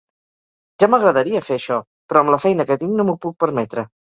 Ja m'agradaria fer això, però amb la feina que tinc no m'ho puc permetre.